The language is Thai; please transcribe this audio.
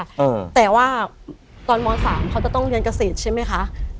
เออแต่ว่าตอนมสามเขาจะต้องเรียนเกษตรใช่ไหมคะ